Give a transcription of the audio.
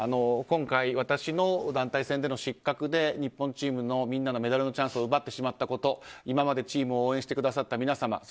今回私の男女混合団体戦での失格で日本チームみんなのメダルのチャンスを奪ってしまったこと今までチームを応援してくださった皆様